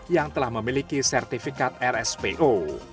yang telah memiliki sertifikat rspo